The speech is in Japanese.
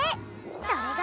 それが。